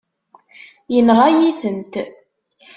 Yenɣa-yi-tent.